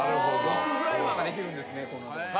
ロッククライマーができるんですね。